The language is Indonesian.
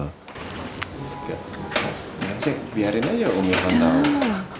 gak sih biarin aja om ya kakak tau